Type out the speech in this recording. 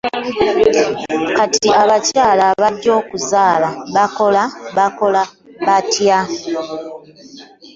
Kati abakyala abajja okuzaala bakola bakola batya?